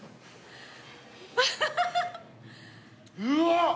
うわ！